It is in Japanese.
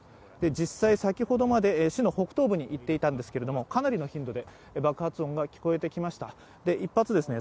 実際先ほどまで市の北東部に行っていたんですけれども、かなりの頻度で爆発音が聞こえてきました一発ですね